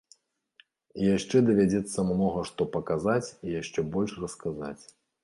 І яшчэ давядзецца многа што паказаць і яшчэ больш расказаць.